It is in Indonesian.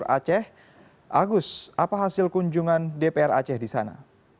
agus apa hasil kunjungan dpr aceh di sana